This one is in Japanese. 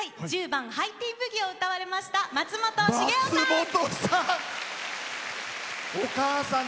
１０番「ハイティーン・ブギ」を歌われましたまつもとさん！